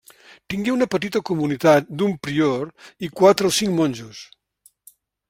Tingué una petita comunitat d'un prior i quatre o cinc monjos.